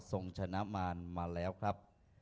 ชนะมารมาแล้วครับ